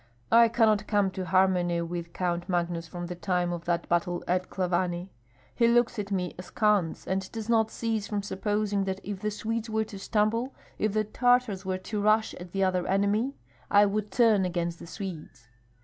I cannot come to harmony with Count Magnus from the time of that battle at Klavany. He looks at me askance, and does not cease from supposing that if the Swedes were to stumble, if the Tartars were to rush at the other enemy, I would turn against the Swedes."